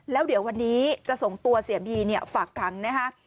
แล้วเดี๋ยววันนี้จะส่งตัวเสียบีฝากขังนะคะ